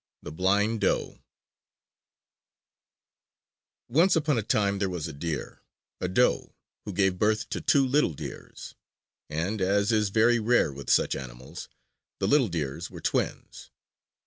THE BLIND DOE Once upon a time there was a deer a doe who gave birth to two little deers; and, as is very rare with such animals, the little deers were twins.